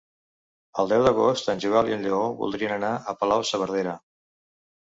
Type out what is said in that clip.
El deu d'agost en Joel i en Lleó voldrien anar a Palau-saverdera.